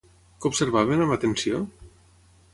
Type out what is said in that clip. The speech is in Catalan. Què observaven amb atenció?